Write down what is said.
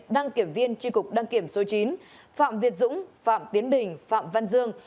đăng kiểm viên tri cục đăng kiểm số chín phạm việt dũng phạm tiến bình phạm văn dương